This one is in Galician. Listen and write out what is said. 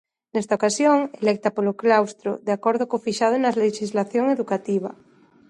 Nesta ocasión, electa polo claustro de acordo co fixado na lexislación educativa.